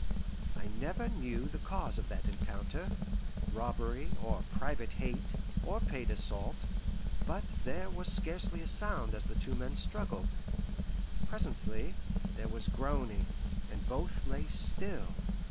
I never knew the cause of that encounter robbery, or private hate, or paid assault; but there was scarcely a sound as the two men struggled. Presently, there was groaning, and both lay still.